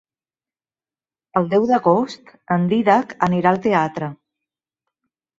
El deu d'agost en Dídac anirà al teatre.